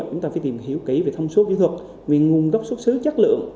chúng ta phải tìm hiểu kỹ về thông số kỹ thuật về nguồn gốc xuất xứ chất lượng